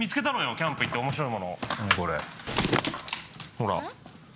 ほら。